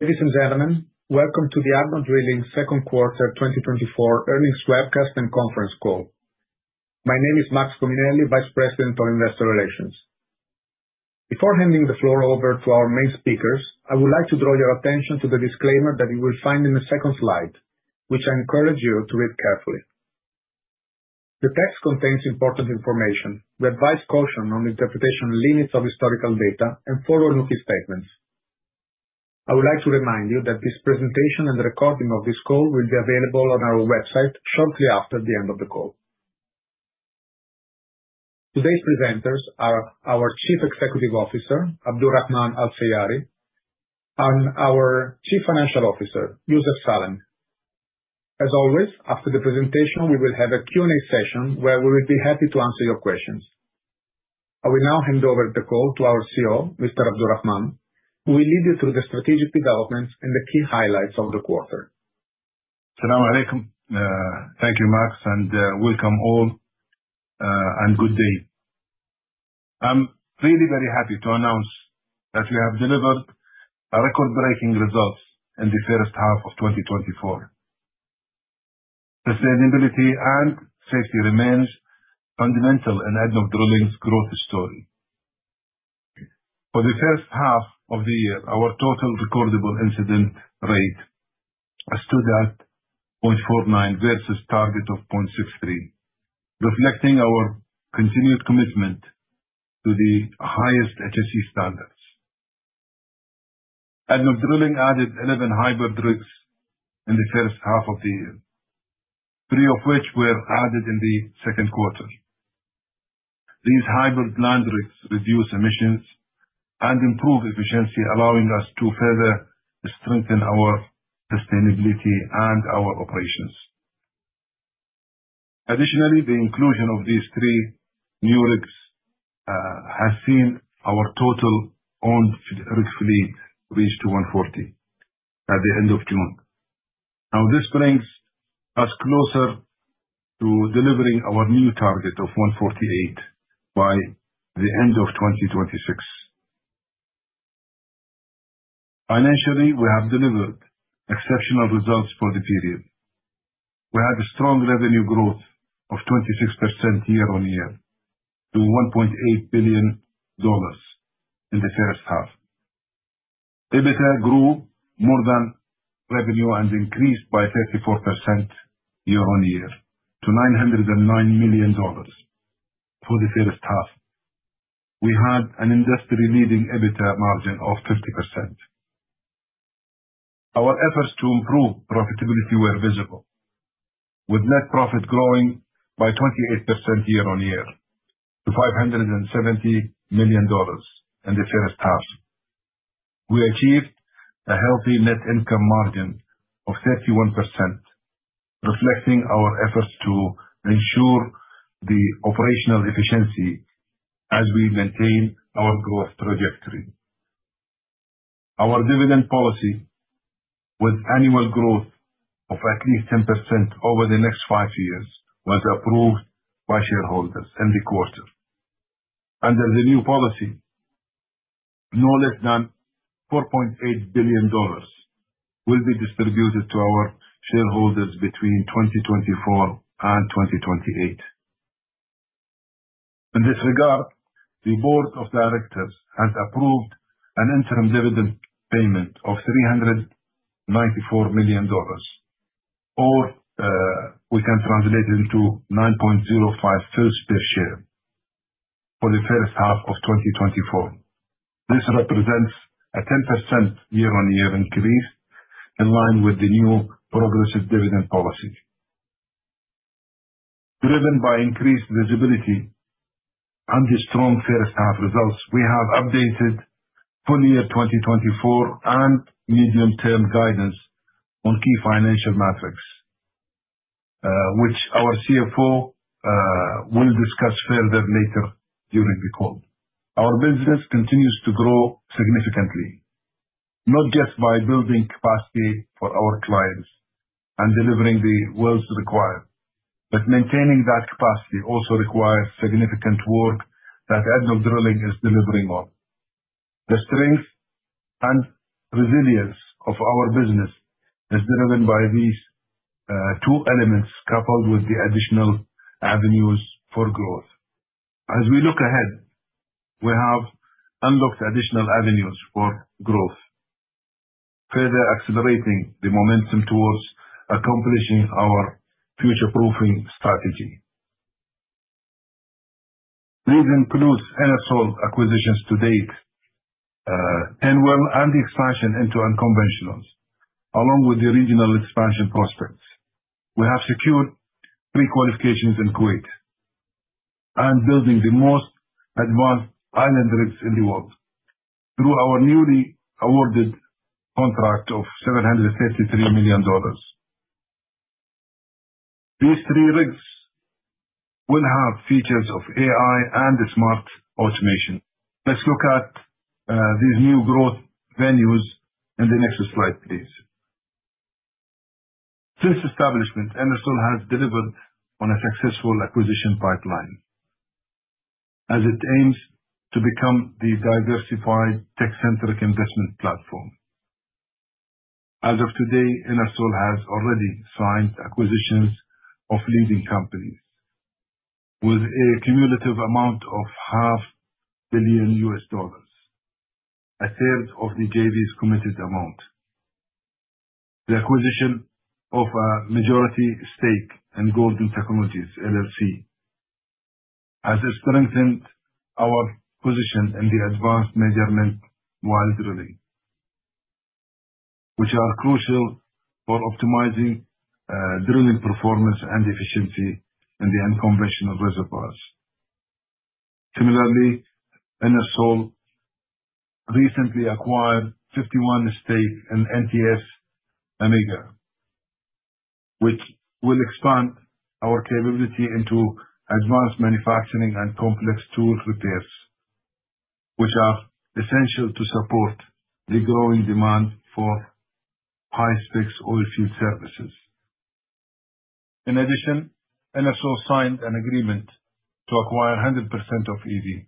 Ladies and gentlemen, welcome to the ADNOC Drilling Second Quarter 2024 Earnings Webcast and Conference Call. My name is Massimiliano Cominelli, Vice President of Investor Relations. Before handing the floor over to our main speakers, I would like to draw your attention to the disclaimer that you will find in the second slide, which I encourage you to read carefully. The text contains important information. We advise caution on the interpretation limits of historical data and forward-looking statements. I would like to remind you that this presentation and the recording of this call will be available on our website shortly after the end of the call. Today's presenters are our Chief Executive Officer, Abdulrahman Abdulla Al Seiari, and our Chief Financial Officer, Youssef Salem. As always, after the presentation, we will have a Q&A session where we will be happy to answer your questions. I will now hand over the call to our CEO, Mr. Abdulrahman, who will lead you through the strategic developments and the key highlights of the quarter. Salaam Alaikum. Thank you, Max, and welcome all, and good day. I'm really very happy to announce that we have delivered record-breaking results in the first half of 2024. Sustainability and safety remain fundamental in ADNOC Drilling's growth story. For the first half of the year, our total recordable incident rate stood at 0.49 versus target of 0.63, reflecting our continued commitment to the highest HSE standards. ADNOC Drilling added 11 hybrid rigs in the first half of the year, three of which were added in the second quarter. These hybrid land rigs reduce emissions and improve efficiency, allowing us to further strengthen our sustainability and our operations. Additionally, the inclusion of these three new rigs has seen our total owned rig fleet reach to 140 at the end of June. Now, this brings us closer to delivering our new target of 148 by the end of 2026. Financially, we have delivered exceptional results for the period. We had a strong revenue growth of 26% year-on-year to $1.8 billion in the first half. EBITDA grew more than revenue and increased by 34% year-on-year to $909 million for the first half. We had an industry-leading EBITDA margin of 50%. Our efforts to improve profitability were visible, with net profit growing by 28% year-on-year to $570 million in the first half. We achieved a healthy net income margin of 31%, reflecting our efforts to ensure the operational efficiency as we maintain our growth trajectory. Our dividend policy, with annual growth of at least 10% over the next five years, was approved by shareholders in the quarter. Under the new policy, no less than $4.8 billion will be distributed to our shareholders between 2024 and 2028. In this regard, the Board of Directors has approved an interim dividend payment of $394 million, or we can translate it into 9.05 fils per share for the first half of 2024. This represents a 10% year-on-year increase in line with the new progressive dividend policy. Driven by increased visibility and the strong first-half results, we have updated full year 2024 and medium-term guidance on key financial metrics, which our CFO will discuss further later during the call. Our business continues to grow significantly, not just by building capacity for our clients and delivering the wells required, but maintaining that capacity also requires significant work that ADNOC Drilling is delivering on. The strength and resilience of our business is driven by these two elements coupled with the additional avenues for growth. As we look ahead, we have unlocked additional avenues for growth, further accelerating the momentum towards accomplishing our future-proofing strategy. These include Enersol acquisitions to date, Turnwell, and the expansion into unconventionals, along with the regional expansion prospects. We have secured pre-qualifications in Kuwait and building the most advanced island rigs in the world through our newly awarded contract of $733 million. These three rigs will have features of AI and smart automation. Let's look at these new growth venues in the next slide, please. Since establishment, Enersol has delivered on a successful acquisition pipeline as it aims to become the diversified tech-centric investment platform. As of today, Enersol has already signed acquisitions of leading companies with a cumulative amount of $500 million, a third of the JV's committed amount. The acquisition of a majority stake in Gordon Technologies has strengthened our position in the advanced measurement while drilling, which are crucial for optimizing drilling performance and efficiency in the unconventional reservoirs. Similarly, Enersol recently acquired 51% stake in NTS Amega Global, which will expand our capability into advanced manufacturing and complex tool repairs, which are essential to support the growing demand for high-spec oilfield services. In addition, Enersol signed an agreement to acquire 100% of EV,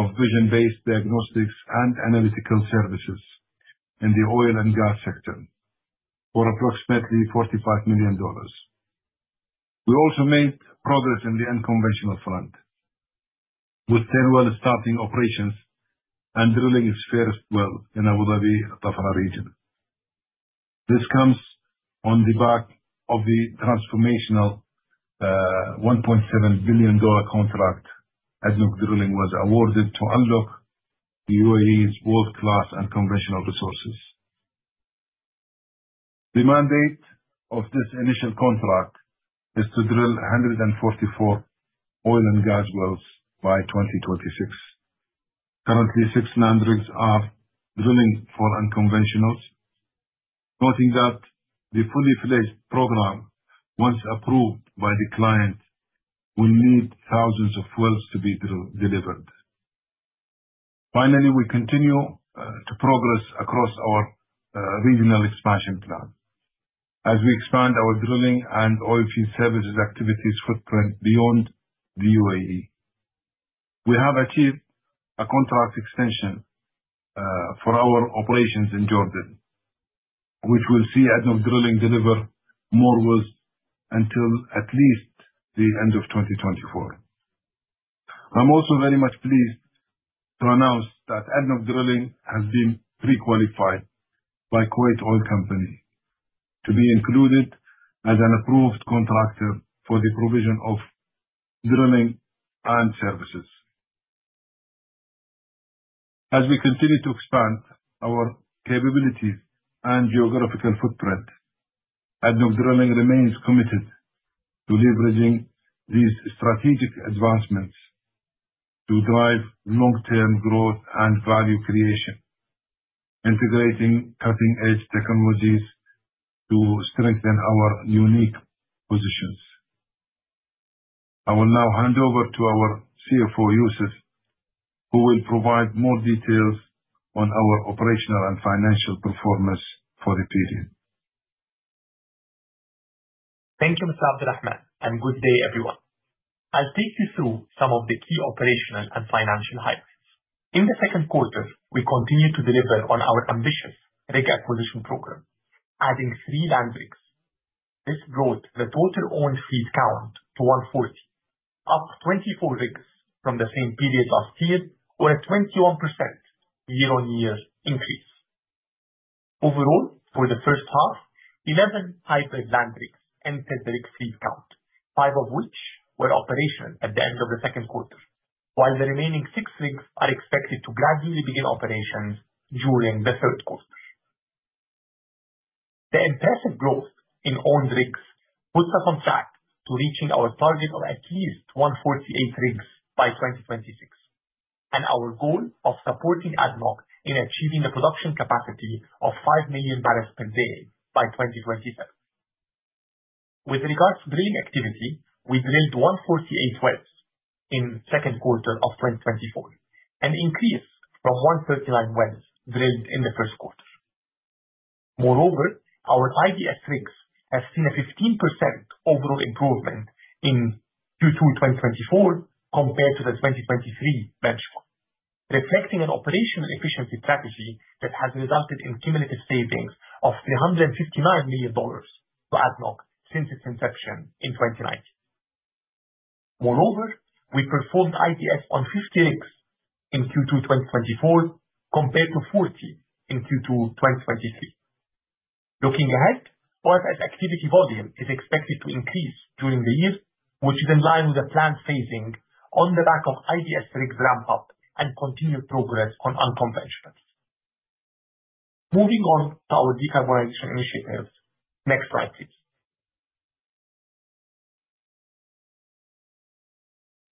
a leading global provider of vision-based diagnostics and analytical services in the oil and gas sector, for approximately $45 million. We also made progress in the unconventional front, with Turnwell starting operations and drilling its first well in Abu Dhabi, Al Dhafra region. This comes on the back of the transformational $1.7 billion contract ADNOC Drilling was awarded to unlock the UAE's world-class unconventional resources. The mandate of this initial contract is to drill 144 oil and gas wells by 2026. Currently, 1,600 are drilling for unconventionals, noting that the fully-fledged program, once approved by the client, will need thousands of wells to be delivered. Finally, we continue to progress across our regional expansion plan as we expand our drilling and oilfield services activities footprint beyond the UAE. We have achieved a contract extension for our operations in Jordan, which will see ADNOC Drilling deliver more wells until at least the end of 2024. I'm also very much pleased to announce that ADNOC Drilling has been pre-qualified by Kuwait Oil Company to be included as an approved contractor for the provision of drilling and services. As we continue to expand our capabilities and geographical footprint, ADNOC Drilling remains committed to leveraging these strategic advancements to drive long-term growth and value creation, integrating cutting-edge technologies to strengthen our unique positions. I will now hand over to our CFO, Youssef, who will provide more details on our operational and financial performance for the period. Thank you, Mr. Abdulrahman, and good day, everyone. I'll take you through some of the key operational and financial highlights. In the second quarter, we continued to deliver on our ambitious rig acquisition program, adding 3 land rigs. This brought the total owned fleet count to 140, up 24 rigs from the same period last year, or a 21% year-on-year increase. Overall, for the first half, 11 hybrid land rigs entered the rig fleet count, 5 of which were operational at the end of the second quarter, while the remaining 6 rigs are expected to gradually begin operations during the third quarter. The impressive growth in owned rigs puts us on track to reaching our target of at least 148 rigs by 2026 and our goal of supporting ADNOC in achieving the production capacity of 5 million barrels per day by 2027. With regards to drilling activity, we drilled 148 wells in the second quarter of 2024, an increase from 139 wells drilled in the first quarter. Moreover, our IDS rigs have seen a 15% overall improvement in Q2 2024 compared to the 2023 benchmark, reflecting an operational efficiency strategy that has resulted in cumulative savings of $359 million to ADNOC since its inception in 2019. Moreover, we performed IDS on 50 rigs in Q2 2024 compared to 40 in Q2 2023. Looking ahead, onshore activity volume is expected to increase during the year, which is in line with the planned phasing on the back of IDS rigs ramp-up and continued progress on unconventionals. Moving on to our decarbonization initiatives. Next slide, please.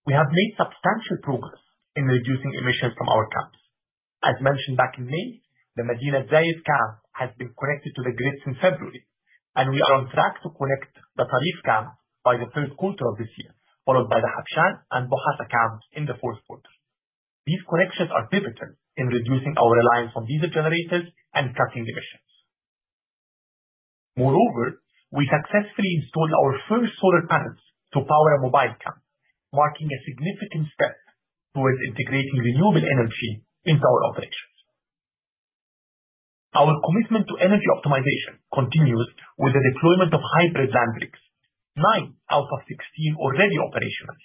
We have made substantial progress in reducing emissions from our camps. As mentioned back in May, the Madinat Zayed camp has been connected to the grid since February, and we are on track to connect the Tarif camp by the third quarter of this year, followed by the Habshan and Bu Hasa camps in the fourth quarter. These connections are pivotal in reducing our reliance on diesel generators and cutting emissions. Moreover, we successfully installed our first solar panels to power a mobile camp, marking a significant step towards integrating renewable energy into our operations. Our commitment to energy optimization continues with the deployment of hybrid land rigs, 9 out of 16 already operational.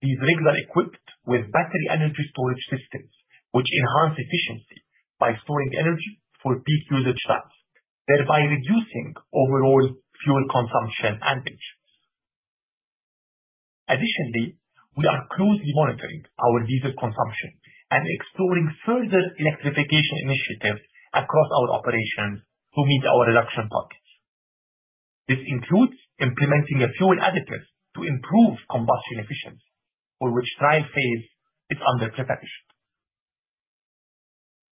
These rigs are equipped with battery energy storage systems, which enhance efficiency by storing energy for peak usage times, thereby reducing overall fuel consumption and emissions. Additionally, we are closely monitoring our diesel consumption and exploring further electrification initiatives across our operations to meet our reduction targets. This includes implementing a fuel additive to improve combustion efficiency, for which trial phase is under preparation.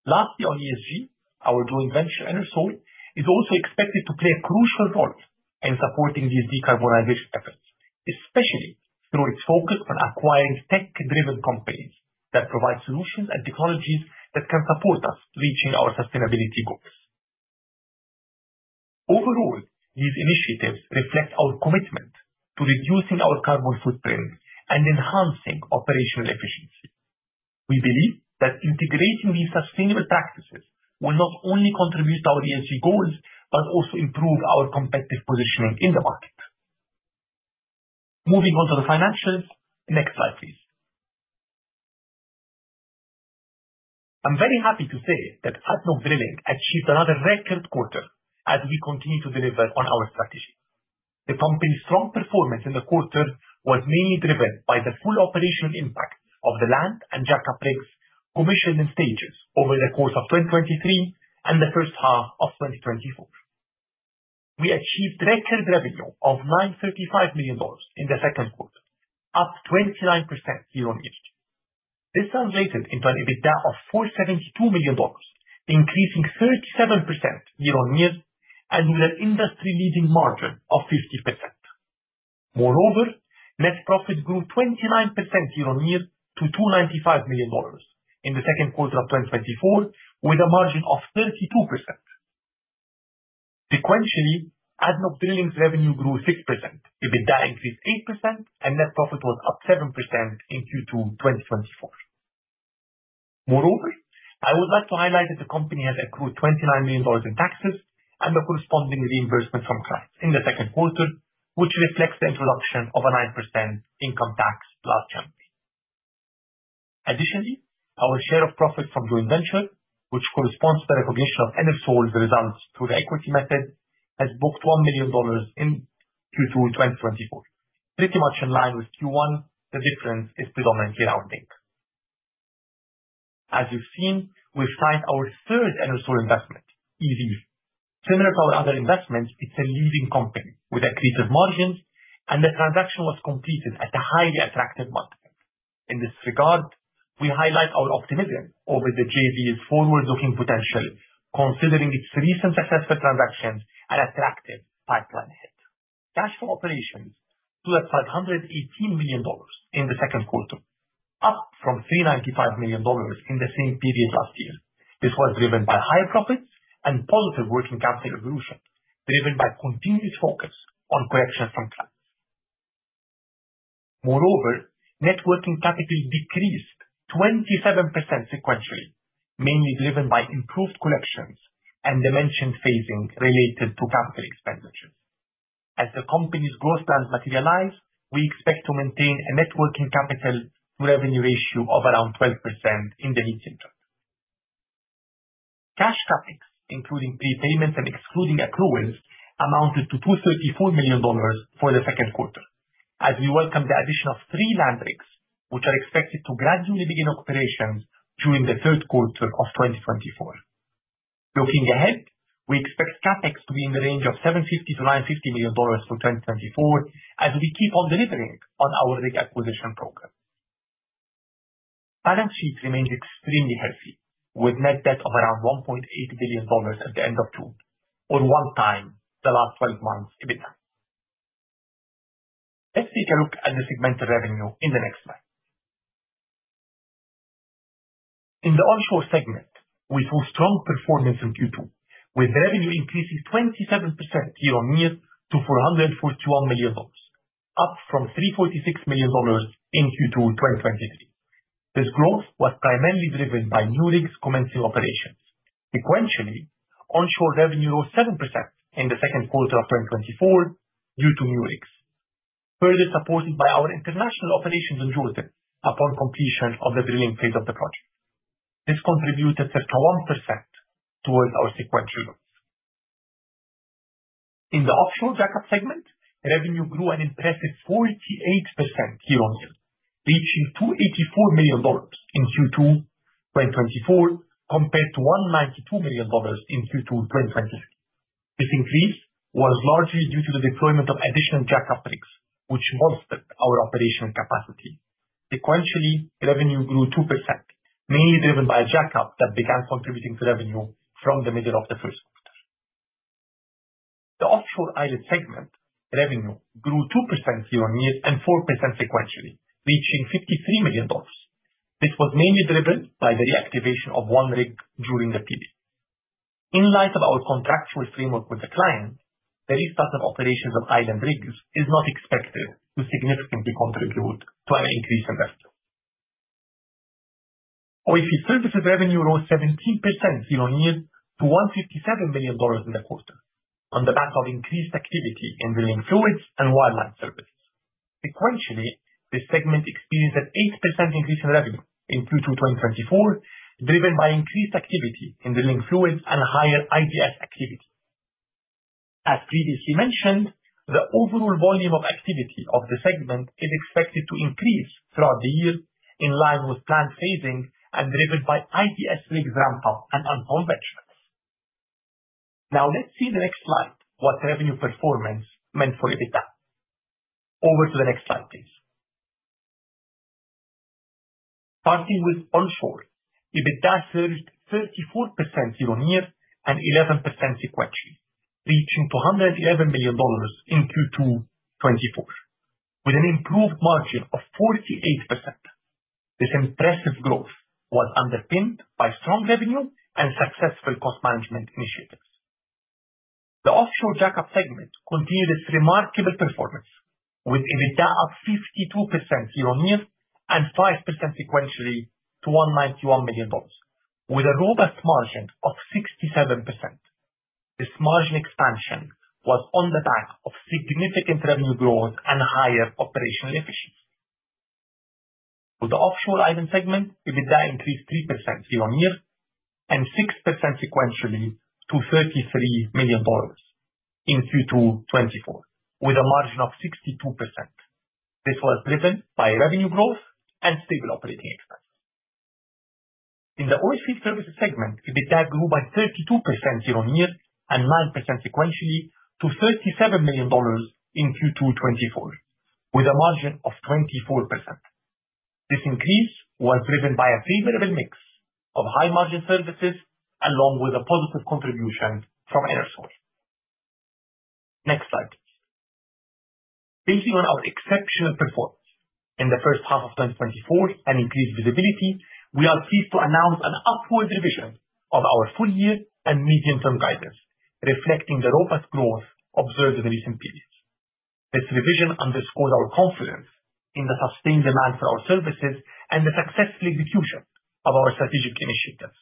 Lastly, on ESG, our joint venture, Enersol, is also expected to play a crucial role in supporting these decarbonization efforts, especially through its focus on acquiring tech-driven companies that provide solutions and technologies that can support us reaching our sustainability goals. Overall, these initiatives reflect our commitment to reducing our carbon footprint and enhancing operational efficiency. We believe that integrating these sustainable practices will not only contribute to our ESG goals but also improve our competitive positioning in the market. Moving on to the financials. Next slide, please. I'm very happy to say that ADNOC Drilling achieved another record quarter as we continue to deliver on our strategy. The company's strong performance in the quarter was mainly driven by the full operational impact of the land and jack-up rigs commissioned in stages over the course of 2023 and the first half of 2024. We achieved record revenue of $935 million in the second quarter, up 29% year-on-year. This translated into an EBITDA of $472 million, increasing 37% year-on-year and with an industry-leading margin of 50%. Moreover, net profit grew 29% year-on-year to $295 million in the second quarter of 2024, with a margin of 32%. Sequentially, ADNOC Drilling's revenue grew 6%, EBITDA increased 8%, and net profit was up 7% in Q2 2024. Moreover, I would like to highlight that the company has accrued $29 million in taxes and the corresponding reimbursement from clients in the second quarter, which reflects the introduction of a 9% income tax last January. Additionally, our share of profit from joint venture, which corresponds to the recognition of Enersol's results through the equity method, has booked $1 million in Q2 2024, pretty much in line with Q1. The difference is predominantly rounding. As you've seen, we've signed our third Enersol investment, EV. Similar to our other investments, it's a leading company with accretive margins, and the transaction was completed at a highly attractive multiple. In this regard, we highlight our optimism over the JV's forward-looking potential, considering its recent successful transactions and attractive pipeline ahead. Cash flow from operations was $518 million in the second quarter, up from $395 million in the same period last year. This was driven by higher profits and positive working capital evolution, driven by continued focus on collections from clients. Moreover, net working capital decreased 27% sequentially, mainly driven by improved collections and the mentioned phasing related to capital expenditures. As the company's growth plans materialize, we expect to maintain a net working capital to revenue ratio of around 12% in the mid-teens. Cash CapEx, including prepayments and excluding accruals, amounted to $234 million for the second quarter, as we welcome the addition of three land rigs, which are expected to gradually begin operations during the third quarter of 2024. Looking ahead, we expect CapEx to be in the range of $750-$950 million for 2024, as we keep on delivering on our rig acquisition program. Balance sheet remains extremely healthy, with net debt of around $1.8 billion at the end of June, or 1x the last 12 months' EBITDA. Let's take a look at the segmented revenue in the next slide. In the onshore segment, we saw strong performance in Q2, with revenue increasing 27% year-on-year to $441 million, up from $346 million in Q2 2023. This growth was primarily driven by new rigs commencing operations. Sequentially, onshore revenue rose 7% in the second quarter of 2024 due to new rigs, further supported by our international operations in Jordan upon completion of the drilling phase of the project. This contributed circa 1% towards our sequential growth. In the offshore jack-up segment, revenue grew an impressive 48% year-on-year, reaching $284 million in Q2 2024 compared to $192 million in Q2 2023. This increase was largely due to the deployment of additional jack-up rigs, which bolstered our operational capacity. Sequentially, revenue grew 2%, mainly driven by a jack-up that began contributing to revenue from the middle of the first quarter. The offshore island segment revenue grew 2% year-on-year and 4% sequentially, reaching $53 million. This was mainly driven by the reactivation of one rig during the period. In light of our contractual framework with the client, the restart of operations of island rigs is not expected to significantly contribute to an increase in revenue. OFS services revenue rose 17% year-on-year to $157 million in the quarter, on the back of increased activity in drilling fluids and wireline services. Sequentially, this segment experienced an 8% increase in revenue in Q2 2024, driven by increased activity in drilling fluids and higher IDS activity. As previously mentioned, the overall volume of activity of the segment is expected to increase throughout the year, in line with planned phasing and driven by IDS rigs ramp-up and unconventionals. Now, let's see in the next slide what revenue performance meant for EBITDA. Over to the next slide, please. Starting with onshore, EBITDA surged 34% year-on-year and 11% sequentially, reaching $211 million in Q2 2024, with an improved margin of 48%. This impressive growth was underpinned by strong revenue and successful cost management initiatives. The offshore jack-up segment continued its remarkable performance, with EBITDA up 52% year-on-year and 5% sequentially to $191 million, with a robust margin of 67%. This margin expansion was on the back of significant revenue growth and higher operational efficiency. For the offshore island segment, EBITDA increased 3% year-on-year and 6% sequentially to $33 million in Q2 2024, with a margin of 62%. This was driven by revenue growth and stable operating expenses. In the OFS services segment, EBITDA grew by 32% year-on-year and 9% sequentially to $37 million in Q2 2024, with a margin of 24%. This increase was driven by a favorable mix of high-margin services along with a positive contribution from Enersol. Next slide, please. Based on our exceptional performance in the first half of 2024 and increased visibility, we are pleased to announce an upward revision of our full-year and medium-term guidance, reflecting the robust growth observed in recent periods. This revision underscores our confidence in the sustained demand for our services and the successful execution of our strategic initiatives.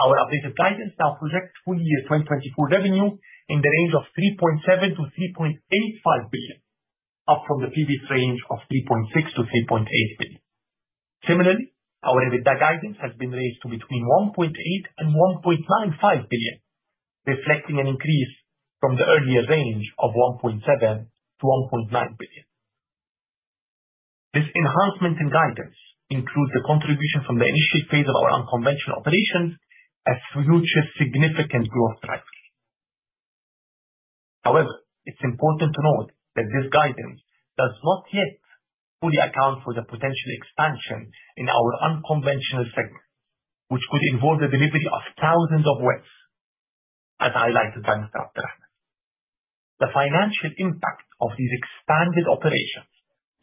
Our updated guidance now projects full-year 2024 revenue in the range of $3.7-$3.85 billion, up from the previous range of $3.6-$3.8 billion. Similarly, our EBITDA guidance has been raised to between $1.8 and $1.95 billion, reflecting an increase from the earlier range of $1.7-$1.9 billion. This enhancement in guidance includes the contribution from the initial phase of our unconventional operations as future significant growth drivers. However, it's important to note that this guidance does not yet fully account for the potential expansion in our unconventional segment, which could involve the delivery of thousands of wells, as highlighted by Mr. Abdulla Al Seiari. The financial impact of these expanded operations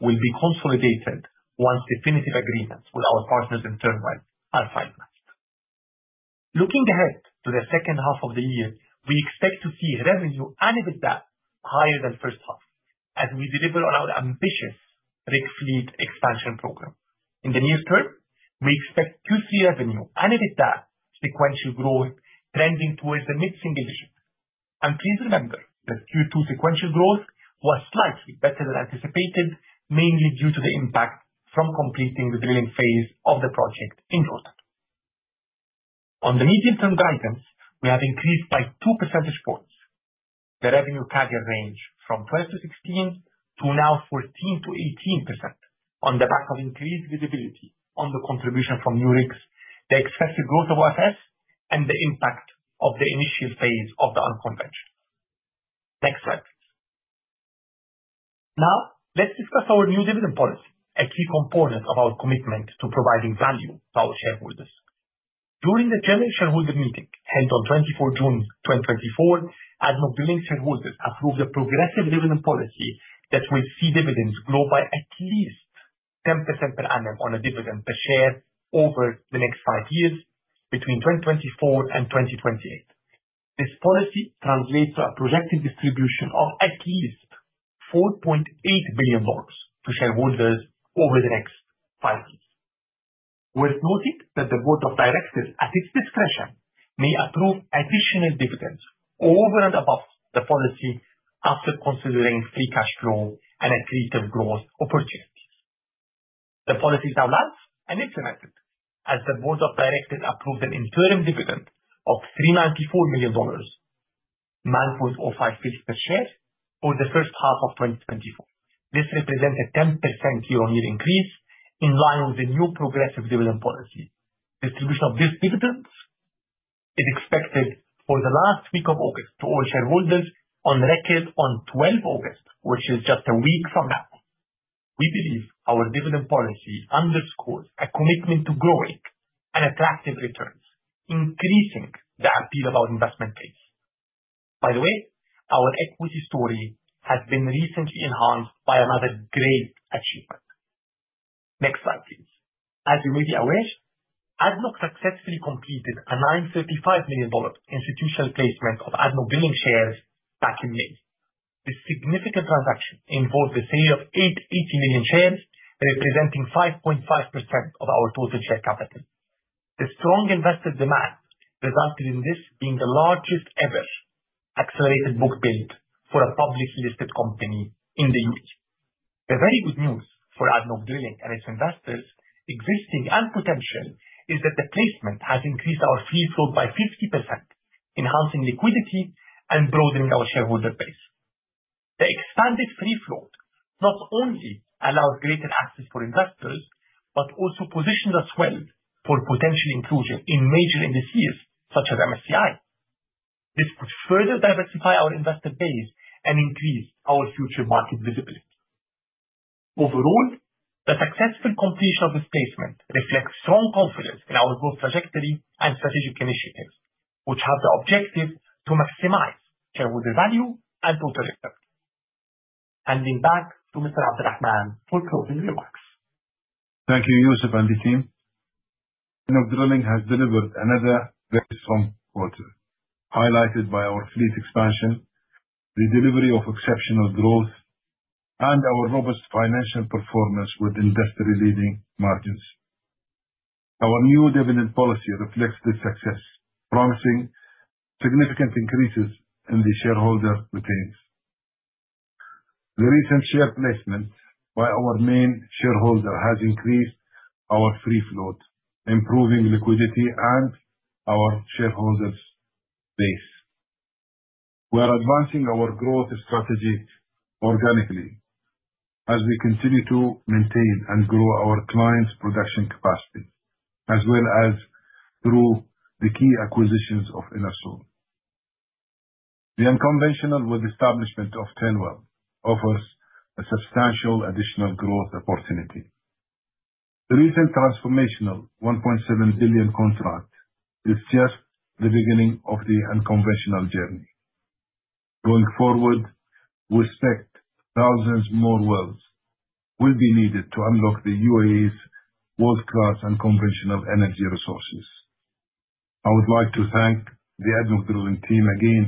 will be consolidated once definitive agreements with our partners in Turnwell are finalized. Looking ahead to the second half of the year, we expect to see revenue and EBITDA higher than first half, as we deliver on our ambitious rig fleet expansion program. In the near term, we expect Q3 revenue and EBITDA sequential growth trending towards the mid-single digit. Please remember that Q2 sequential growth was slightly better than anticipated, mainly due to the impact from completing the drilling phase of the project in Jordan. On the medium-term guidance, we have increased by 2 percentage points. The revenue carrier ranged from 12%-16% to now 14%-18% on the back of increased visibility on the contribution from new rigs, the excessive growth of OFS, and the impact of the initial phase of the unconventional. Next slide, please. Now, let's discuss our new dividend policy, a key component of our commitment to providing value to our shareholders. During the general shareholder meeting held on 24 June 2024, ADNOC Drilling shareholders approved a progressive dividend policy that will see dividends grow by at least 10% per annum on a dividend per share over the next five years, between 2024 and 2028. This policy translates to a projected distribution of at least $4.8 billion to shareholders over the next five years. Worth noting that the board of directors, at its discretion, may approve additional dividends over and above the policy after considering free cash flow and accretive growth opportunities. The policy is now launched and implemented as the board of directors approved an interim dividend of $394 million, $9.05 per share for the first half of 2024. This represents a 10% year-over-year increase in line with the new progressive dividend policy. Distribution of this dividend is expected for the last week of August to all shareholders on record on 12 August, which is just a week from now. We believe our dividend policy underscores a commitment to growing and attractive returns, increasing the appeal of our investment case. By the way, our equity story has been recently enhanced by another great achievement. Next slide, please. As you may be aware, ADNOC successfully completed a $935 million institutional placement of ADNOC Drilling shares back in May. This significant transaction involved the sale of 880 million shares, representing 5.5% of our total share capital. The strong investor demand resulted in this being the largest ever accelerated book build for a publicly listed company in the U.S. The very good news for ADNOC Drilling and its investors, existing and potential, is that the placement has increased our free float by 50%, enhancing liquidity and broadening our shareholder base. The expanded free float not only allows greater access for investors, but also positions us well for potential inclusion in major indices such as MSCI. This could further diversify our investor base and increase our future market visibility. Overall, the successful completion of this placement reflects strong confidence in our growth trajectory and strategic initiatives, which have the objective to maximize shareholder value and total returns. Handing back to Mr. Abdulrahman Abdulla Al Seiari for closing remarks. Thank you, Youssef and the team. ADNOC Drilling has delivered another very strong quarter, highlighted by our fleet expansion, the delivery of exceptional growth, and our robust financial performance with industry-leading margins. Our new dividend policy reflects this success, promising significant increases in the shareholder returns. The recent share placement by our main shareholder has increased our free float, improving liquidity and our shareholders' base. We are advancing our growth strategy organically as we continue to maintain and grow our clients' production capacity, as well as through the key acquisitions of Enersol. The unconventionals with establishment of Turnwell offers a substantial additional growth opportunity. The recent transformational $1.7 billion contract is just the beginning of the unconventional journey. Going forward, we expect thousands more wells will be needed to unlock the UAE's world-class unconventional energy resources. I would like to thank the ADNOC Drilling team again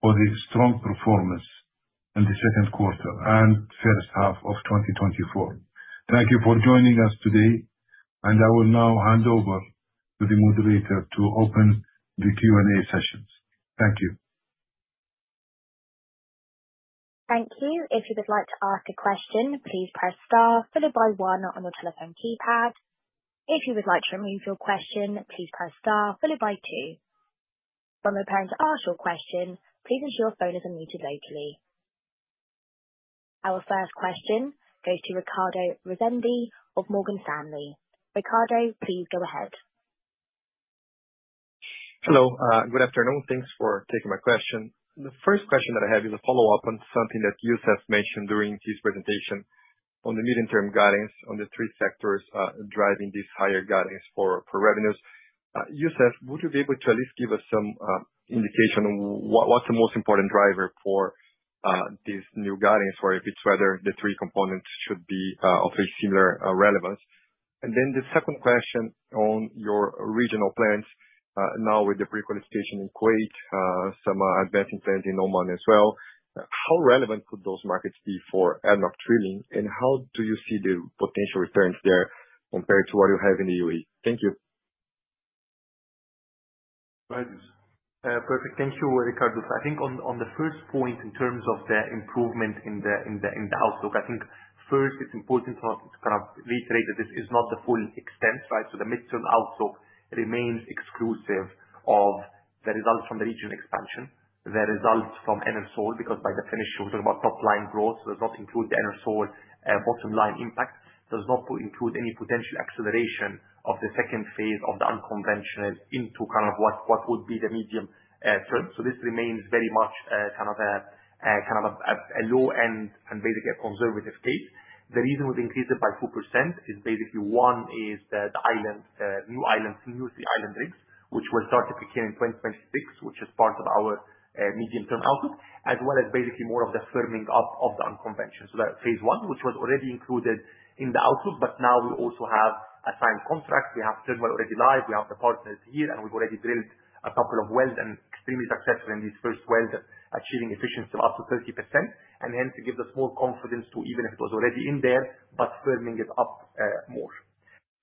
for the strong performance in the second quarter and first half of 2024. Thank you for joining us today, and I will now hand over to the moderator to open the Q&A sessions. Thank you. Thank you. If you would like to ask a question, please press star followed by one on your telephone keypad. If you would like to remove your question, please press star followed by two. From the participant to ask your question, please ensure your phone is unmuted locally. Our first question goes to Ricardo Rezende of Morgan Stanley. Ricardo, please go ahead. Hello. Good afternoon. Thanks for taking my question. The first question that I have is a follow-up on something that Youssef mentioned during his presentation on the medium-term guidance on the three sectors driving these higher guidance for revenues. Youssef, would you be able to at least give us some indication on what's the most important driver for these new guidance, or if it's whether the three components should be of a similar relevance? And then the second question on your regional plans, now with the pre-qualification in Kuwait, some advancing plans in Oman as well. How relevant could those markets be for ADNOC Drilling, and how do you see the potential returns there compared to what you have in the UAE? Thank you. Right, Youssef. Perfect. Thank you, Ricardo. So I think on the first point in terms of the improvement in the outlook, I think first it's important to kind of reiterate that this is not the full extent, right? So the mid-term outlook remains exclusive of the results from the regional expansion, the results from Enersol, because by definition, we're talking about top-line growth. It does not include the Enersol bottom-line impact. It does not include any potential acceleration of the second phase of the unconventional into kind of what would be the medium term. So this remains very much kind of a low-end and basically a conservative case. The reason we've increased it by 2% is basically one is the new islands, new three island rigs, which will start to peak here in 2026, which is part of our medium-term outlook, as well as basically more of the firming up of the unconventional. So that phase one, which was already included in the outlook, but now we also have a signed contract. We have Turnwell already live. We have the partners here, and we've already drilled a couple of wells and are extremely successful in these first wells, achieving efficiency of up to 30%, and hence it gives us more confidence to even if it was already in there, but firming it up more.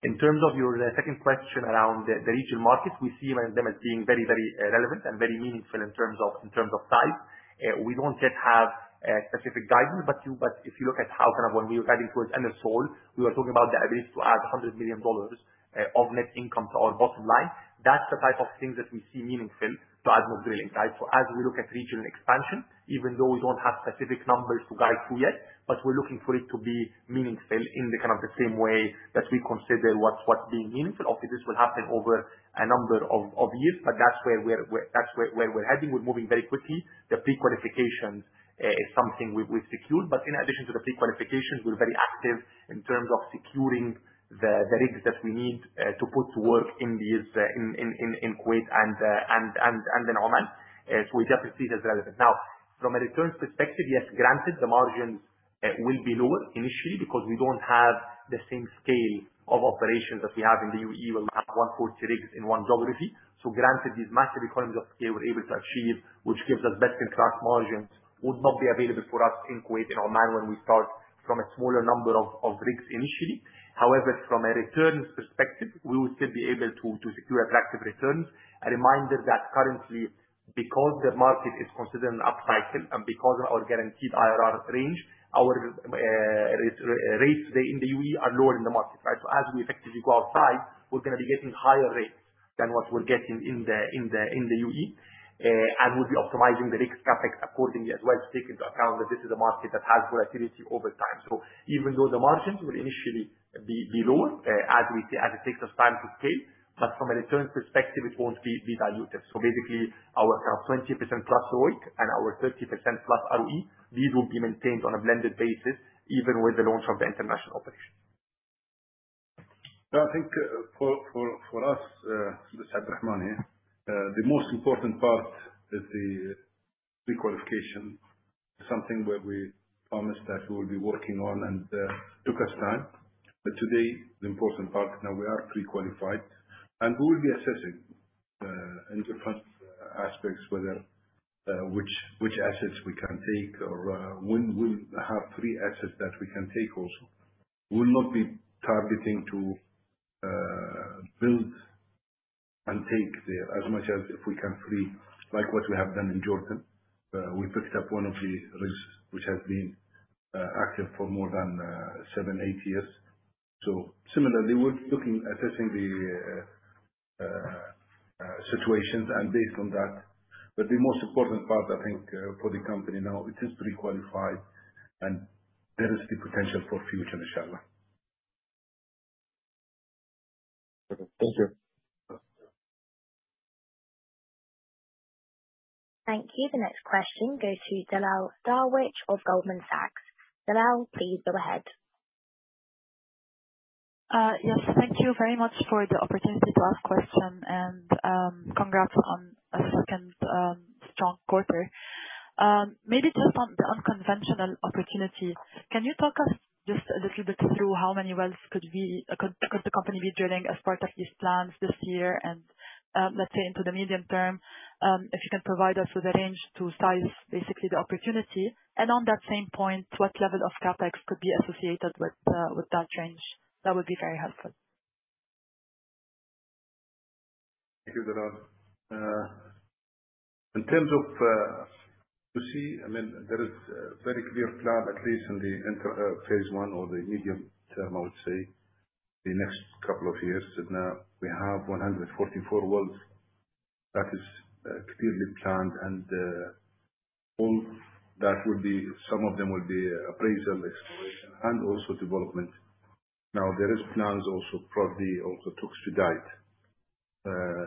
In terms of your second question around the regional markets, we see them as being very, very relevant and very meaningful in terms of size. We don't yet have specific guidance, but if you look at how kind of when we were guiding towards Enersol, we were talking about the ability to add $100 million of net income to our bottom line. That's the type of thing that we see meaningful to ADNOC Drilling, right? So as we look at regional expansion, even though we don't have specific numbers to guide to yet, but we're looking for it to be meaningful in the kind of the same way that we consider what's being meaningful. Obviously, this will happen over a number of years, but that's where we're heading. We're moving very quickly. The pre-qualifications is something we've secured, but in addition to the pre-qualifications, we're very active in terms of securing the rigs that we need to put to work in Kuwait and in Oman. So we definitely see it as relevant. Now, from a return perspective, yes, granted the margins will be lower initially because we don't have the same scale of operations that we have in the UAE. We'll have 140 rigs in one geography. So granted these massive economies of scale we're able to achieve, which gives us best-in-class margins, would not be available for us in Kuwait and Oman when we start from a smaller number of rigs initially. However, from a return perspective, we will still be able to secure attractive returns. A reminder that currently, because the market is considered an upcycle and because of our guaranteed IRR range, our rates today in the UAE are lower than the market, right? So as we effectively go outside, we're going to be getting higher rates than what we're getting in the UAE, and we'll be optimizing the rigs CapEx accordingly as well to take into account that this is a market that has volatility over time. So even though the margins will initially be lower as it takes us time to scale, but from a return perspective, it won't be diluted. So basically, our kind of 20%+ ROIC and our 30%+ ROE, these will be maintained on a blended basis even with the launch of the international operations. I think for us, Mr. Abdulrahman Abdulla Al Seiari, the most important part is the pre-qualification. It's something where we promised that we will be working on and took us time. But today, the important part, now we are pre-qualified, and we will be assessing in different aspects whether which assets we can take or when we'll have free assets that we can take also. We'll not be targeting to build and take there as much as if we can free, like what we have done in Jordan. We picked up one of the rigs which has been active for more than seven, eight years. So similarly, we're looking, assessing the situations and based on that. But the most important part, I think, for the company now, it is pre-qualified, and there is the potential for future, Inshallah. Thank you. Thank you. The next question goes to Bilal Darwich of Goldman Sachs. Bilal, please go ahead. Yes, thank you very much for the opportunity to ask a question, and congrats on a second strong quarter. Maybe just on the unconventional opportunity, can you talk us just a little bit through how many wells could the company be drilling as part of these plans this year and, let's say, into the medium term? If you can provide us with a range to size, basically, the opportunity. And on that same point, what level of CapEx could be associated with that range? That would be very helpful. Thank you, Bilal. In terms of. You see, I mean, there is a very clear plan, at least in the phase one or the medium term, I would say, the next couple of years. We have 144 wells that is clearly planned, and all that would be some of them will be appraisal, exploration, and also development. Now, there are plans also probably also to expedite.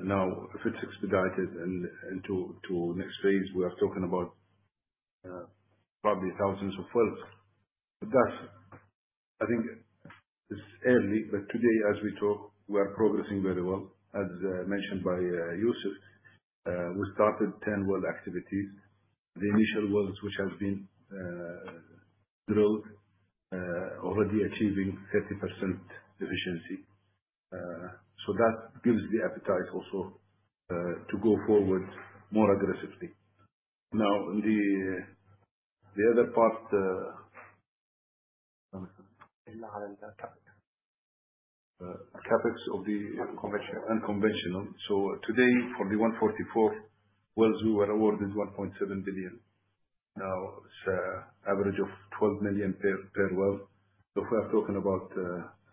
Now, if it's expedited into next phase, we are talking about probably thousands of wells. But that's, I think, it's early, but today, as we talk, we are progressing very well. As mentioned by Youssef, we started 10 well activities. The initial wells which have been drilled are already achieving 30% efficiency. So that gives the appetite also to go forward more aggressively. Now, the other part. CapEx of the unconventional. So today, for the 144 wells, we were awarded $1.7 billion. Now, it's an average of $12 million per well. So if we are talking about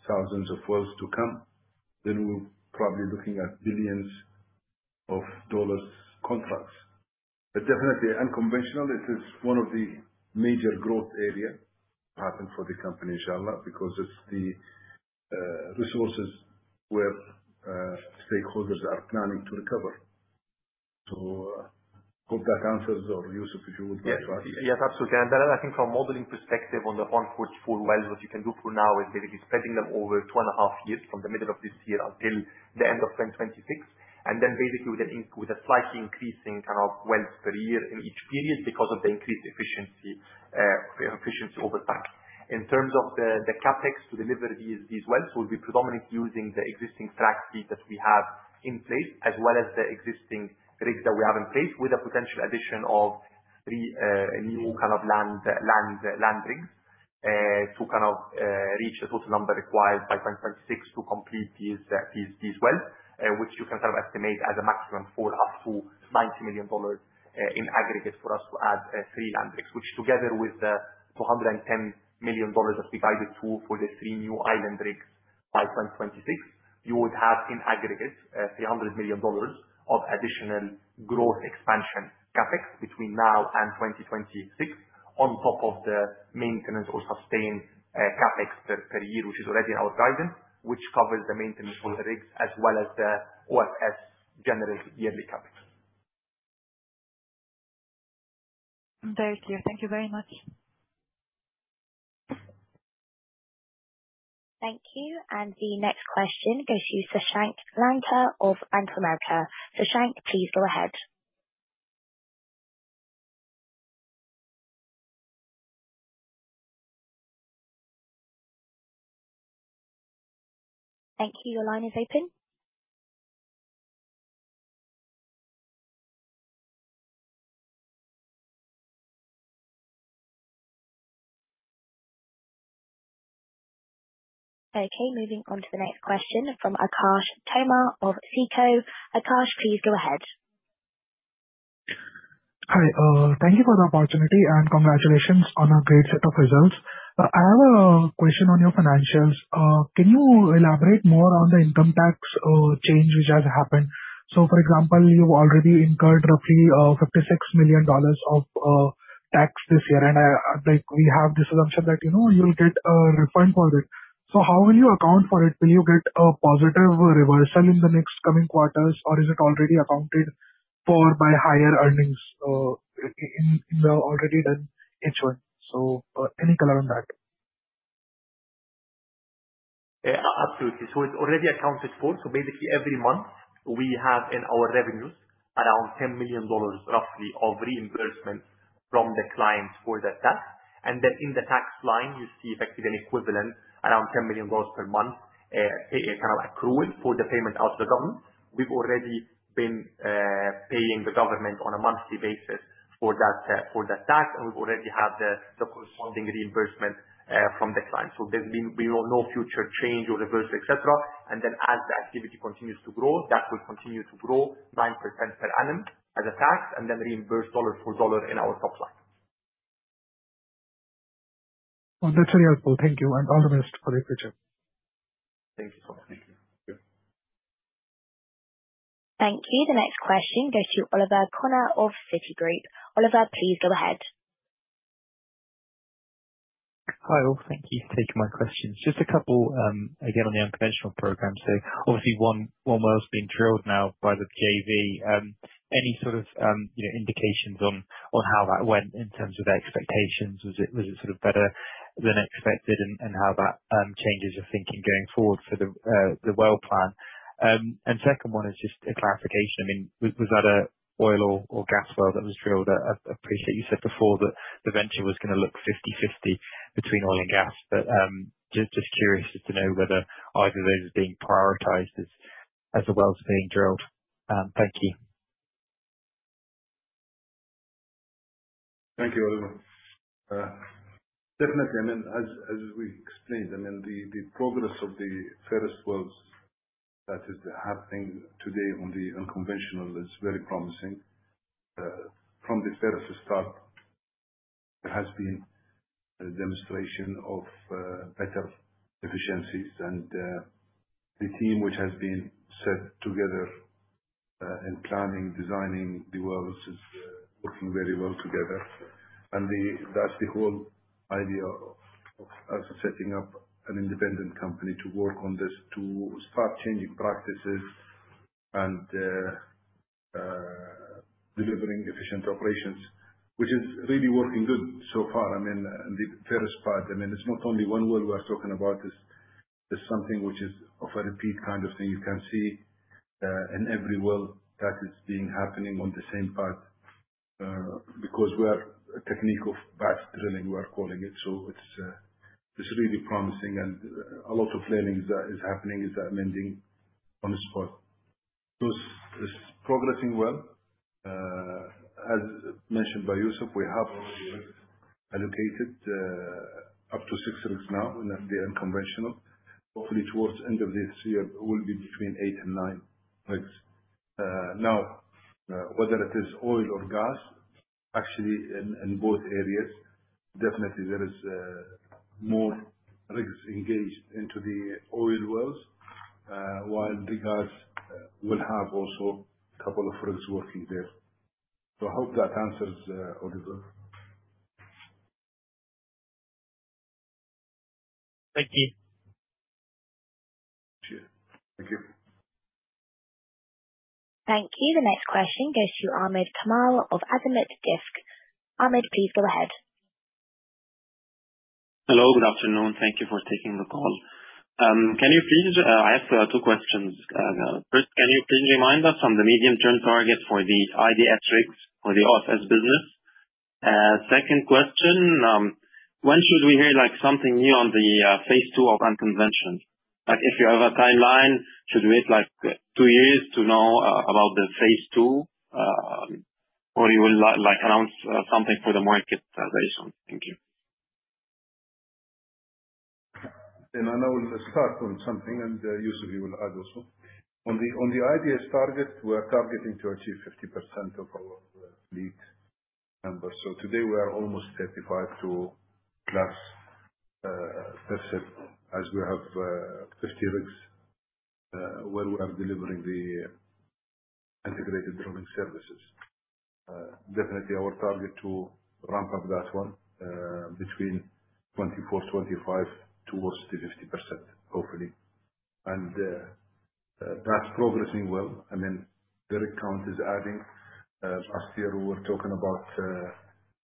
thousands of wells to come, then we're probably looking at $ billion contracts. But definitely, unconventional, it is one of the major growth areas happening for the company, Inshallah, because it's the resources where stakeholders are planning to recover. So I hope that answers, or Youssef, if you would like to ask. Yes, absolutely. Then I think from a modeling perspective on the 144 wells, what you can do for now is basically spreading them over two and a half years from the middle of this year until the end of 2026. And then basically with a slightly increasing kind of wells per year in each period because of the increased efficiency over time. In terms of the CapEx to deliver these wells, we'll be predominantly using the existing rig fleet that we have in place, as well as the existing rigs that we have in place, with a potential addition of three new kind of land rigs to kind of reach the total number required by 2026 to complete these wells, which you can kind of estimate as a maximum for up to $90 million in aggregate for us to add three land rigs, which together with the $210 million that we guided to for the three new island rigs by 2026, you would have in aggregate $300 million of additional growth expansion CapEx between now and 2026, on top of the maintenance or sustained CapEx per year, which is already in our guidance, which covers the maintenance for the rigs as well as the OFS general yearly CapEx. Very clear. Thank you very much. Thank you. And the next question goes to Shashank Lanka of Bank of America. Shashank, please go ahead. Thank you. Your line is open. Okay. Moving on to the next question from Akash Toor of SICO. Akash, please go ahead. Hi. Thank you for the opportunity, and congratulations on a great set of results. I have a question on your financials. Can you elaborate more on the income tax change which has happened? So for example, you've already incurred roughly $56 million of tax this year, and we have this assumption that you'll get a refund for it. So how will you account for it? Will you get a positive reversal in the next coming quarters, or is it already accounted for by higher earnings in the already done H1? So any color on that? Absolutely. So it's already accounted for. So basically, every month, we have in our revenues around $10 million, roughly, of reimbursement from the clients for that tax. And then in the tax line, you see effectively an equivalent around $10 million per month kind of accrual for the payment out to the government. We've already been paying the government on a monthly basis for that tax, and we've already had the corresponding reimbursement from the client. So there's been no future change or reversal, etc. And then as the activity continues to grow, that will continue to grow 9% per annum as a tax and then reimburse dollar for dollar in our top line. That's really helpful. Thank you. And all the best for the future. Thank you so much. Thank you. Thank you. The next question goes to Oliver Connor of Citigroup. Oliver, please go ahead. Hi. Thank you for taking my questions. Just a couple again on the unconventional program. So obviously, one well's been drilled now by the JV. Any sort of indications on how that went in terms of their expectations? Was it sort of better than expected, and how that changes your thinking going forward for the well plan? And second one is just a clarification. I mean, was that an oil or gas well that was drilled? I appreciate you said before that the venture was going to look 50/50 between oil and gas, but just curious to know whether either of those is being prioritized as the wells being drilled. Thank you. Thank you, Oliver. Definitely. I mean, as we explained, I mean, the progress of the first wells that is happening today on the unconventional is very promising. From the very first start, there has been a demonstration of better efficiencies, and the team which has been set together in planning, designing the wells is working very well together. That's the whole idea of us setting up an independent company to work on this, to start changing practices and delivering efficient operations, which is really working good so far. I mean, the first part, I mean, it's not only one well we're talking about. It's something which is of a repeat kind of thing. You can see in every well that it's being happening on the same part because we're a technique of batch drilling, we're calling it. So it's really promising, and a lot of learning is happening, is that lending on the spot. So it's progressing well. As mentioned by Youssef, we have already allocated up to six rigs now in the unconventional. Hopefully, towards the end of this year, we'll be between eight and nine rigs. Now, whether it is oil or gas, actually in both areas, definitely there is more rigs engaged into the oil wells, while the gas will have also a couple of rigs working there. So I hope that answers, Oliver. Thank you. Thank you. Thank you. The next question goes to Ahmed Kamal of Azimuth. Ahmed, please go ahead. Hello. Good afternoon. Thank you for taking the call. Can you please—I have two questions. First, can you please remind us on the medium-term target for the IDS rigs for the OFS business? Second question, when should we hear something new on the Phase 2 of unconventional? If you have a timeline, should we wait two years to know about the Phase 2, or you will announce something for the market very soon? Thank you. I know we'll start on something, and Youssef, you will add also. On the IDS target, we're targeting to achieve 50% of our lead numbers. So today, we are almost 35%+ as we have 50 rigs where we are delivering the integrated drilling services. Definitely, our target to ramp up that one between 2024, 2025 towards the 50%, hopefully. And that's progressing well. I mean, the count is adding. Last year, we were talking about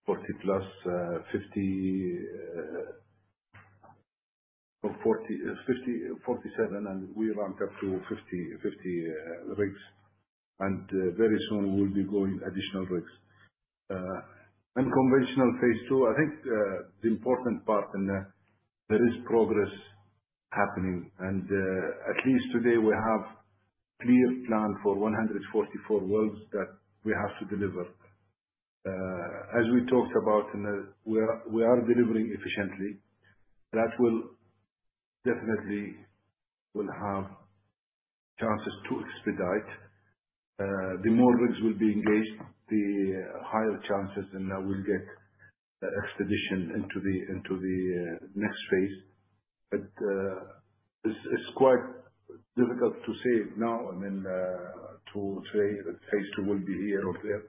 40+, 50, 47, and we ramped up to 50 rigs. And very soon, we'll be going additional rigs. Unconventional Phase 2, I think the important part, and there is progress happening. And at least today, we have a clear plan for 144 wells that we have to deliver. As we talked about, we are delivering efficiently. That will definitely have chances to expedite. The more rigs will be engaged, the higher chances we'll get expansion into the next phase. But it's quite difficult to say now, I mean, today, Phase 2 will be here or there.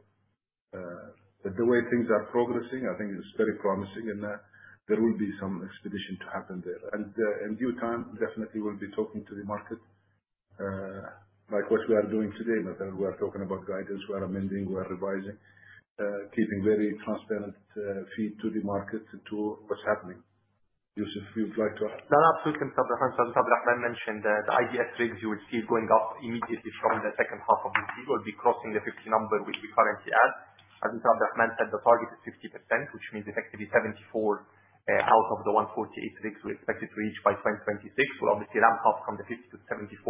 But the way things are progressing, I think it's very promising, and there will be some expansion to happen there. And in due time, definitely, we'll be talking to the market like what we are doing today. We are talking about guidance. We are amending. We are revising, keeping very transparent feed to the market to what's happening. Youssef, you'd like to add? Absolutely. As Abdulrahman mentioned, the IDS rigs you will see going up immediately from the second half of this year. We'll be crossing the 50 number, which we currently at. As Abdulrahman said, the target is 50%, which means effectively 74 out of the 148 rigs we expect it to reach by 2026. We'll obviously ramp up from the 50 to 74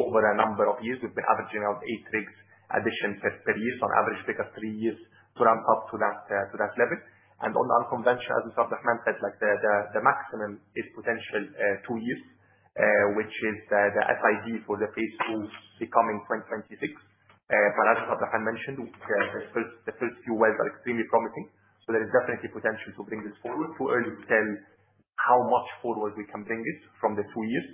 over a number of years. We've been averaging out 8 rigs addition per year on average bigger 3 years to ramp up to that level. And on the unconventional, as Abdulrahman said, the maximum is potential 2 years, which is the FID for the Phase 2 becoming 2026. But as Abdulrahman mentioned, the first few wells are extremely promising. So there is definitely potential to bring this forward too early to tell how much forward we can bring it from the 2 years,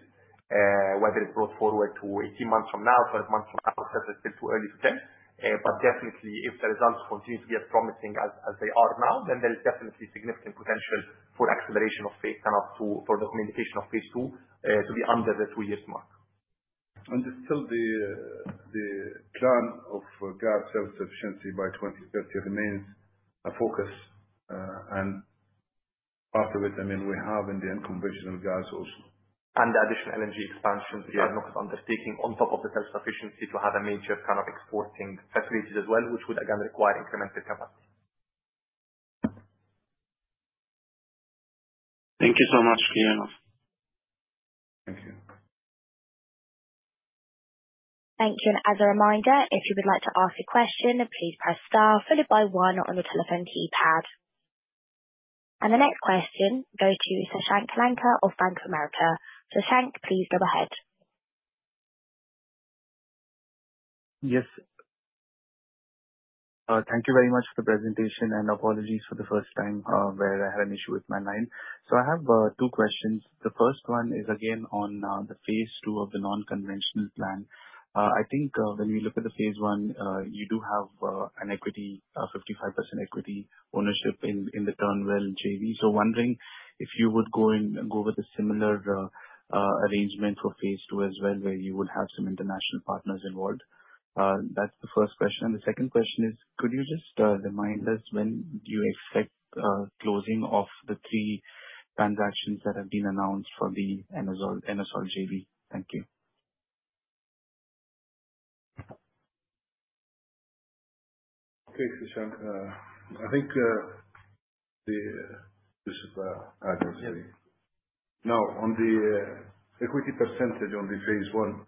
whether it's brought forward to 18 months from now, 12 months from now, etc., it's still too early to tell. But definitely, if the results continue to be as promising as they are now, then there is definitely significant potential for acceleration of phase kind of for the communication of Phase 2 to be under the two years mark. And still, the plan of gas self-sufficiency by 2030 remains a focus. And part of it, I mean, we have in the unconventional gas also. And the additional energy expansion that the NOC is undertaking on top of the self-sufficiency to have a major kind of exporting facilities as well, which would again require incremental capacity. Thank you so much. Clear enough. Thank you. Thank you. And as a reminder, if you would like to ask a question, please press star followed by one on the telephone keypad. And the next question goes to Shashank Lanka of Bank of America. Shashank, please go ahead. Yes. Thank you very much for the presentation, and apologies for the first time where I had an issue with my line. So I have two questions. The first one is again on the Phase 2 of the unconventional plan. I think when we look at the phase one, you do have an equity, 55% equity ownership in the Turnwell JV. So wondering if you would go with a similar arrangement for Phase 2 as well where you would have some international partners involved. That's the first question. And the second question is, could you just remind us when do you expect closing of the three transactions that have been announced for the Enersol JV? Thank you. Okay. Shashank, I think the. Yes. Now, on the equity percentage on the phase one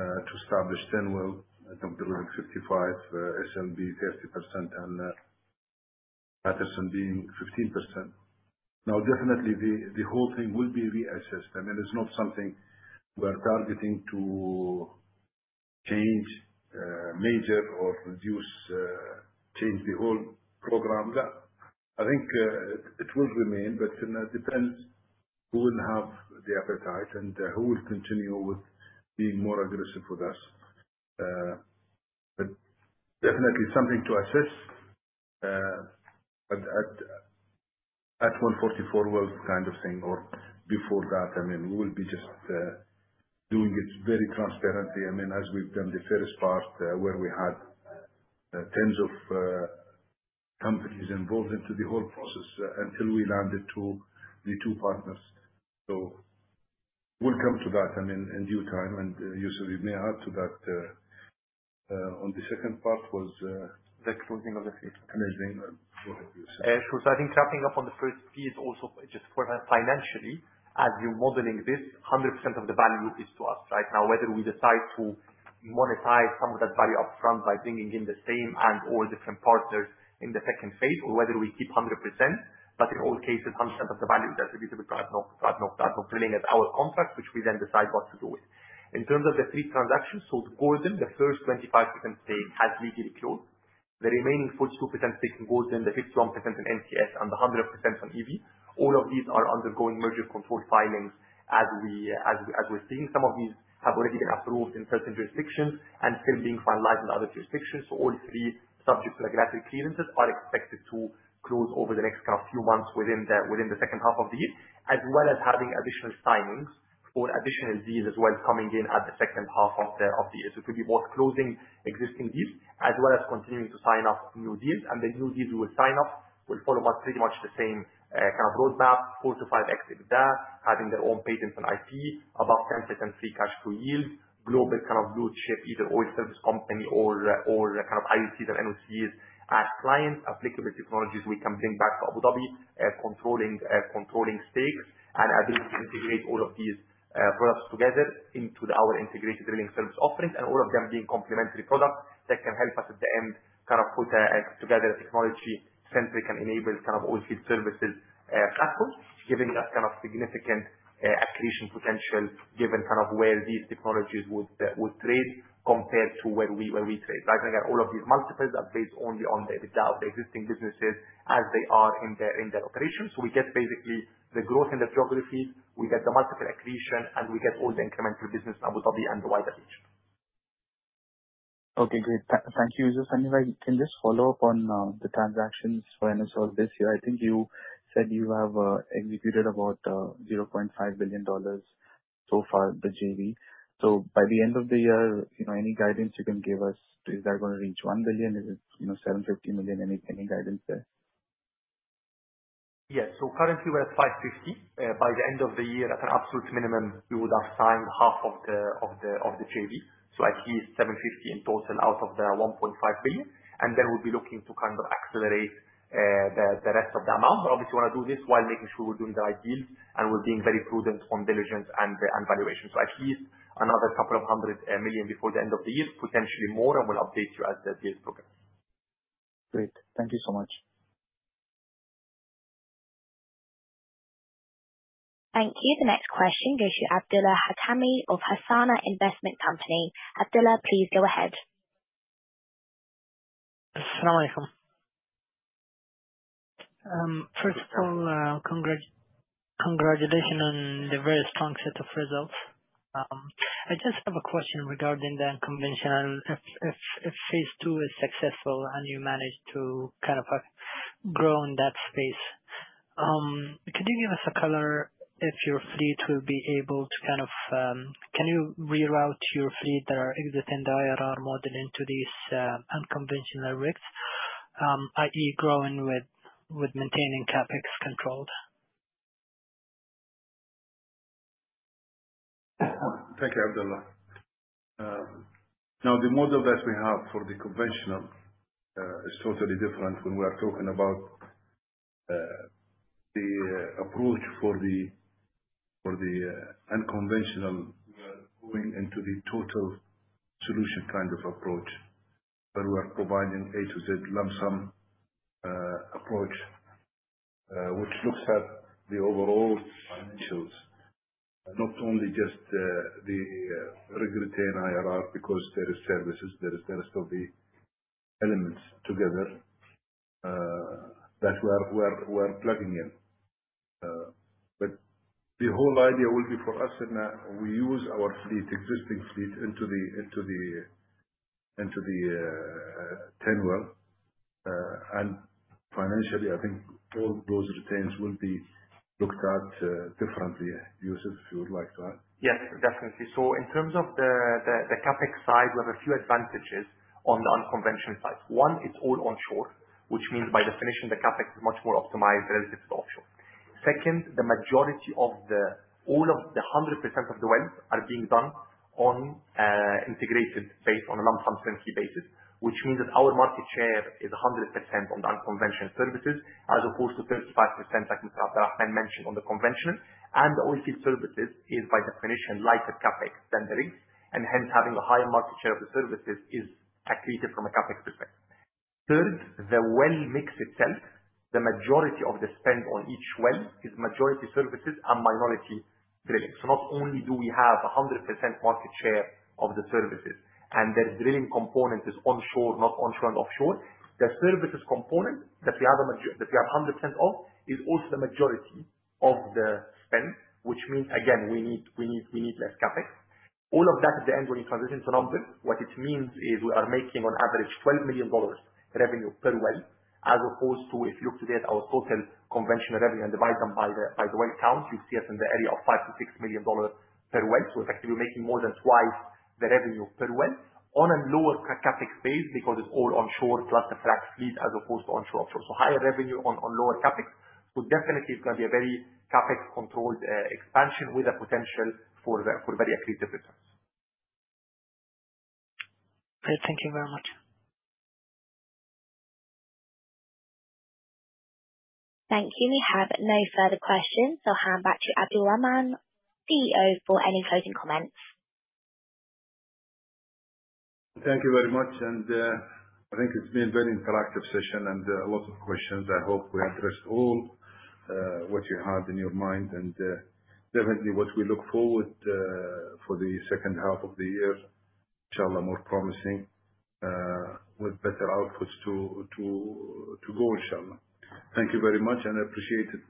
to establish Turnwell, I think we're delivering 55%, SLB 30%, and Patterson being 15%. Now, definitely, the whole thing will be reassessed. I mean, it's not something we're targeting to change major or change the whole program. I think it will remain, but it depends who will have the appetite and who will continue with being more aggressive with us. But definitely something to assess at 144 wells kind of thing or before that. I mean, we will be just doing it very transparently. I mean, as we've done the first part where we had tens of companies involved into the whole process until we landed to the two partners. So we'll come to that, I mean, in due time. And Youssef, you may add to that on the second part was the closing of the Phase 2. Amazing. Go ahead, Youssef. Sure. So I think wrapping up on the first piece also just financially, as you're modeling this, 100% of the value is to us, right? Now, whether we decide to monetize some of that value upfront by bringing in the same and/or different partners in the second phase, or whether we keep 100%, but in all cases, 100% of the value is attributed to ADNOC, ADNOC, ADNOC Drilling as our contract, which we then decide what to do with. In terms of the three transactions, so Gordon, the first 25% stake has legally closed. The remaining 42% stake in Gordon, the 51% in NTS, and the 100% on EV, all of these are undergoing merger control filings as we're seeing. Some of these have already been approved in certain jurisdictions and still being finalized in other jurisdictions. So, all three, subject to regulatory clearances, are expected to close over the next kind of few months within the second half of the year, as well as having additional signings for additional deals as well coming in at the second half of the year. So, it could be both closing existing deals as well as continuing to sign up new deals. The new deals we will sign up will follow pretty much the same kind of roadmap, 4-5 exits there, having their own patents and IP, above 10% free cash to yield, global kind of blue chip, either oil service company or kind of IOCs and NOCs as clients, applicable technologies we can bring back to Abu Dhabi, controlling stakes, and ability to integrate all of these products together into our integrated drilling service offerings, and all of them being complementary products that can help us at the end kind of put together a technology-centric and enabled kind of oil field services platform, giving us kind of significant accretion potential given kind of where these technologies would trade compared to where we trade. Right? Again, all of these multiples are based only on the existing businesses as they are in their operations. So we get basically the growth in the geographies, we get the multiple accretion, and we get all the incremental business in Abu Dhabi and the wider region. Okay. Great. Thank you, Youssef. Anyway, can you just follow up on the transactions for Enersol this year? I think you said you have executed about $0.5 billion so far the JV. So by the end of the year, any guidance you can give us, is that going to reach $1 billion? Is it $750 million? Any guidance there? Yes. So currently, we're at $550 million. By the end of the year, at an absolute minimum, we would have signed half of the JV. So at least $750 million in total out of the $1.5 billion. And then we'll be looking to kind of accelerate the rest of the amount. But obviously, we want to do this while making sure we're doing the right deals and we're being very prudent on diligence and valuation. So at least another $200 million before the end of the year, potentially more, and we'll update you as the deals progress. Great. Thank you so much. Thank you. The next question goes to Abdullah Al-Hattami of Hassana Investment Company. Abdullah, please go ahead. Assalamualaikum. First of all, congratulations on the very strong set of results. I just have a question regarding the unconventional. If Phase is successful and you manage to kind of grow in that space, could you give us a color if your fleet will be able to kind of-can you reroute your fleet that are exiting the IRR model into these unconventional rigs, i.e., growing with maintaining CapEx controlled? Thank you, Abdullah. Now, the model that we have for the conventional is totally different when we are talking about the approach for the unconventional. We are going into the total solution kind of approach where we are providing A to Z lump sum approach, which looks at the overall financials, not only just the rig return IRR buecause there are services, there are still the elements together that we are plugging in. But the whole idea will be for us, and we use our existing fleet into the tenor. And financially, I think all those returns will be looked at differently. Youssef, if you would like to add? Yes, definitely. So in terms of the CapEx side, we have a few advantages on the unconventional side. One, it's all onshore, which means by definition, the CapEx is much more optimized relative to offshore. Second, the majority of all of the 100% of the wells are being done on integrated based on a lump sum turnkey basis, which means that our market share is 100% on the unconventional services as opposed to 35%, like Mr. Abdulrahman mentioned, on the conventional. The oilfield services is by definition lighter CapEx than the rigs, and hence having a higher market share of the services is accretive from a CapEx perspective. Third, the well mix itself, the majority of the spend on each well is majority services and minority drilling. Not only do we have 100% market share of the services and their drilling component is onshore, not onshore and offshore, the services component that we have 100% of is also the majority of the spend, which means, again, we need less CapEx. All of that, at the end, when you transition to numbers, what it means is we are making on average $12 million revenue per well as opposed to if you look today at our total conventional revenue and divide them by the well counts, you'll see us in the area of $5-$6 million per well. So effectively, we're making more than twice the revenue per well on a lower CapEx base because it's all onshore plus the frac fleet as opposed to onshore-offshore. So higher revenue on lower CapEx. So definitely, it's going to be a very CapEx-controlled expansion with a potential for very accretive returns. Great. Thank you very much. Thank you. We have no further questions. I'll hand back to Abdulrahman, CEO, for any closing comments. Thank you very much. And I think it's been a very interactive session and lots of questions. I hope we addressed all what you had in your mind. Definitely, what we look forward to for the second half of the year, Inshallah, more promising with better outputs to go, Inshallah. Thank you very much, and I appreciate it.